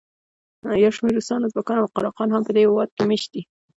یو شمېر روسان، ازبکان او قراقان هم په دې هېواد کې مېشت دي.